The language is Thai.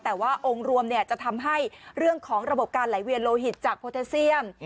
แต่ว่าองค์รวมจะทำให้เรื่องของระบบการไหลเวียนโลหิตจากโพเทสเซียม